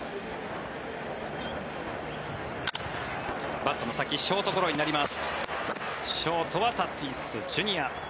バットの先ショートゴロになります。